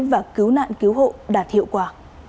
và cứu nạn cứu hộ đạt hiệu quả